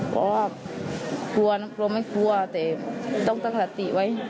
เพราะว่ากลัวไม่กลัวแต่ต้องตั้งสติไว้